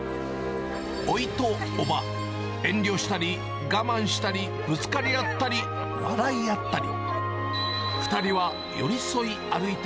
おいと伯母、遠慮したり我慢したりぶつかりあったり笑い合ったり。